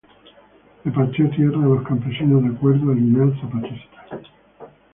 Repartió tierras a los campesinos, de acuerdo al ideal zapatista.